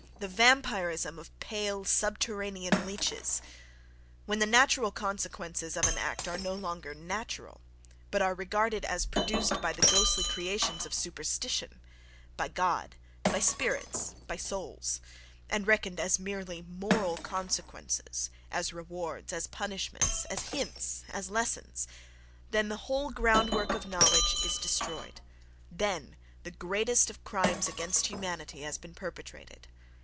The vampirism of pale, subterranean leeches!... When the natural consequences of an act are no longer "natural," but are regarded as produced by the ghostly creations of superstition—by "God," by "spirits," by "souls"—and reckoned as merely "moral" consequences, as rewards, as punishments, as hints, as lessons, then the whole ground work of knowledge is destroyed—then the greatest of crimes against humanity has been perpetrated.